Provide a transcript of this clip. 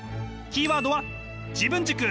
キーワードは自分軸！